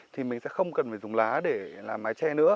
thì mình sẽ không cần phải dùng lá để làm mái tre nữa